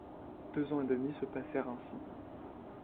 Deux ans et demi se passèrent ainsi.